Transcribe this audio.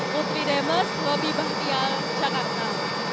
putri demes wabi bakhtiyar jakarta